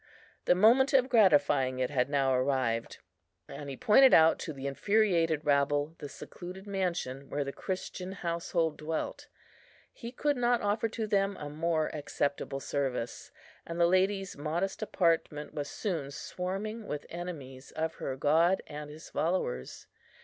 The moment of gratifying it had now arrived, and he pointed out to the infuriated rabble the secluded mansion where the Christian household dwelt. He could not offer to them a more acceptable service, and the lady's modest apartment was soon swarming with enemies of her God and His followers.